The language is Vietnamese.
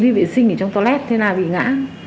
chú đi vệ sinh ở trong toilet thế nào bị ngã